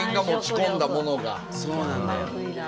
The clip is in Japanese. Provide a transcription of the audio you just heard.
そうなんだよ。